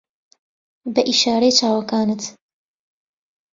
بە ئیشارەی چاوەکانت